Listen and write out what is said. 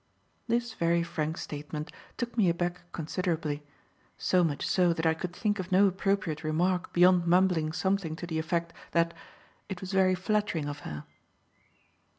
This very frank statement took me aback considerably; so much so that I could think of no appropriate remark beyond mumbling something to the effect that "it was very flattering of her."